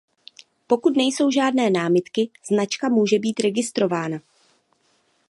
Pokud nejsou žádné námitky, značka může být registrována.